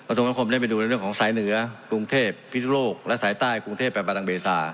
ะกฎก็ได้ไปดูเรื่องของสายเหนือกรุงเทพธุรกและสายใต้กรุงเทพแปลง